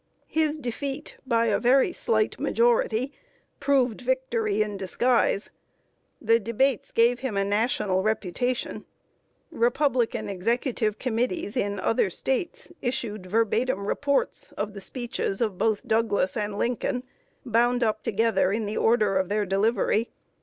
His defeat, by a very slight majority, proved victory in disguise. The debates gave him a National reputation. Republican executive committees in other States issued verbatim reports of the speeches of both Douglas and Lincoln, bound up together in the order of their delivery.